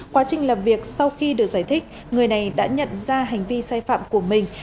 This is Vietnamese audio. quá trình làm việc sau khi được giải thích người này đã nhận ra hành vi sai phạm của mình